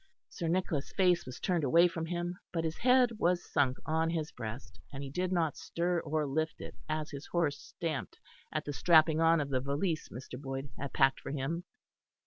Sir Nicholas' face was turned away from him; but his head was sunk on his breast, and he did not stir or lift it as his horse stamped at the strapping on of the valise Mr. Boyd had packed for him.